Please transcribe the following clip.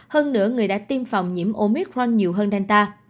hơn nửa người đã tiêm phòng nhiễm omicron nhiều hơn delta